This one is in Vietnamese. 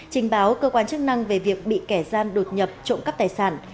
trình báo cơ quan chức năng về việc bị kẻ gian đột nhập trộm cắp tài sản